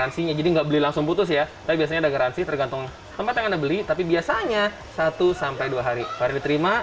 ataupun masih bisa komplain